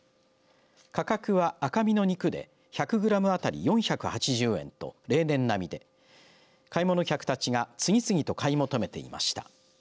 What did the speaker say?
価格は赤身の肉で１００グラム当たり４８０円と例年並みで買い物客たちが次々と買い求めていました。